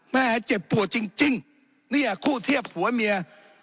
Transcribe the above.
แม่เจ็บปวดจริงเนี่ยคู่เทียบผัวเมีย